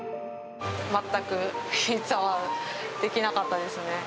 全くピザはできなかったですね。